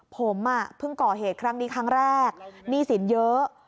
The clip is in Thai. ผมเพิ่งก่อเหตุครั้งนี้ครั้งแรกหนี้สินเยอะ